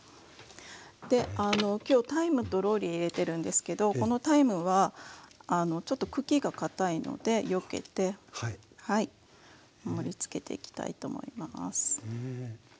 できょうタイムとローリエ入れてるんですけどこのタイムはちょっと茎がかたいのでよけてはい盛りつけていきたいと思います。